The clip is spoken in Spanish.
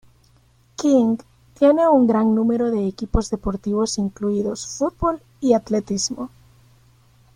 King tiene un gran número de equipos deportivos incluidos fútbol y atletismo.